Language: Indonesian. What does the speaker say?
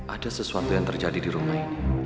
ada sesuatu yang terjadi di rumah ini